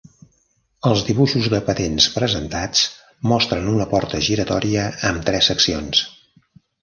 Els dibuixos de patents presentats mostren una porta giratòria amb tres seccions.